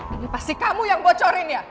ini pasti kamu yang bocorin ya